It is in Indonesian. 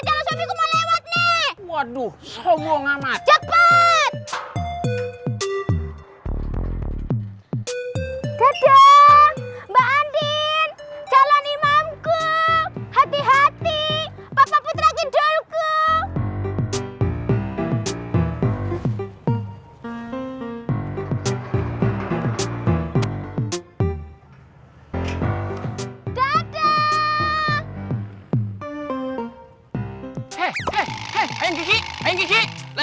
sampai jumpa di video selanjutnya